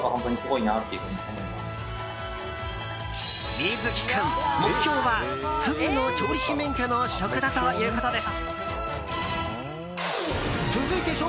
瑞樹君、目標はフグの調理師免許の取得だということです。